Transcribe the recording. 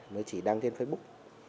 mới chỉ đăng trên facebook